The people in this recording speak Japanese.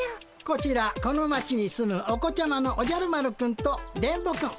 こちらこの町に住むお子ちゃまのおじゃる丸くんと電ボくん。